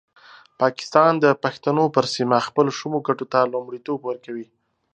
پاکستان د پښتنو پر سیمه خپلو شومو ګټو ته لومړیتوب ورکوي.